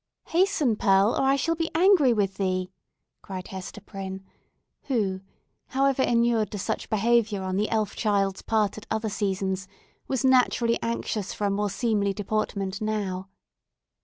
"Hasten, Pearl, or I shall be angry with thee!" cried Hester Prynne, who, however, inured to such behaviour on the elf child's part at other seasons, was naturally anxious for a more seemly deportment now.